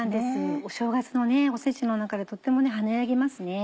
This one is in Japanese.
お正月のおせちの中でとっても華やぎますね。